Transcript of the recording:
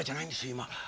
今。